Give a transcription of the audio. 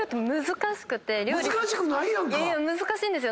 難しいんですよ。